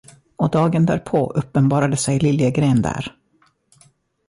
Och dagen därpå uppenbarade sig Liljegren där.